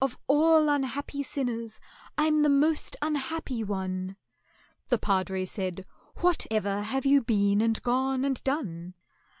Of all unhappy sinners I'm the most unhappy one!" The padre said, "Whatever have you been and gone and done?"